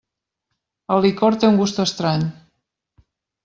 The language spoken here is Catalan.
El licor té un gust estrany.